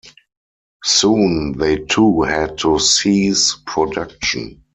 Soon they too had to cease production.